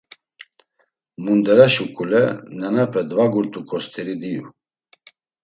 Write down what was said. Mundera şǩule nenape dvagurt̆uǩo st̆eri diyu.